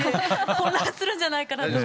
混乱するんじゃないかなって思って。